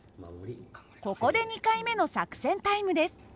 ここで２回目の作戦タイムです。